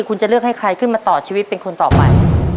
คุณจะเลือกให้ใครขึ้นมาต่อชีวิตเป็นคนต่อไป